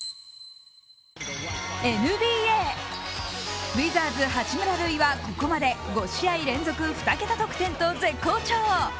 ＮＢＡ、ウィザーズ・八村塁はここまで５試合連続２桁得点と絶好調。